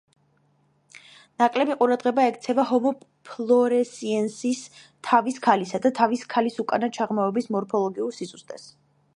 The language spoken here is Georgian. ნაკლები ყურადღება ექცევა ჰომო ფლორესიენსისის თავის ქალისა და თავის ქალის უკანა ჩაღრმავების მორფოლოგიურ სიზუსტეს.